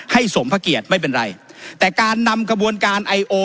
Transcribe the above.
สมพระเกียรติไม่เป็นไรแต่การนำกระบวนการไอโอ